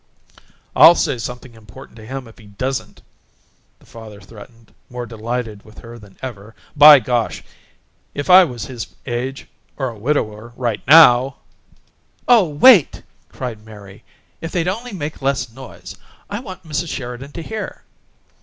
"I'll say something important to him if he doesn't!" the father threatened, more delighted with her than ever. "By gosh! if I was his age or a widower right NOW " "Oh, wait!" cried Mary. "If they'd only make less noise! I want Mrs. Sheridan to hear."